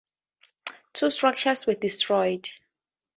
Two structures were destroyed.